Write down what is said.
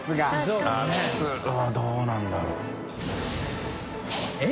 普通どうなんだろう？